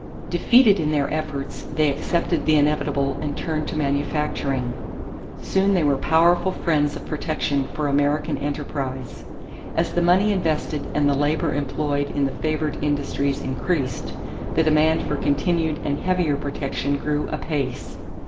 Defeated in their efforts, they accepted the inevitable and turned to manufacturing. Soon they were powerful friends of protection for American enterprise. As the money invested and the labor employed in the favored industries increased, the demand for continued and heavier protection grew apace.